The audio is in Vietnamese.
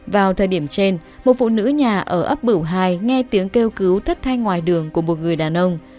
vào thời điểm trên một phụ nữ nhà ở ấp bửu hai nghe tiếng kêu cứu thất thanh ngoài đường của một người đàn ông